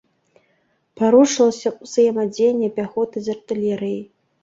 Парушылася ўзаемадзеянне пяхоты з артылерыяй.